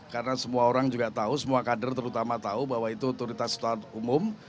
karena semua orang juga tahu semua kader terutama tahu bahwa itu otoritas setelah umum